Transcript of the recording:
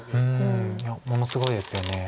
いやものすごいですよね。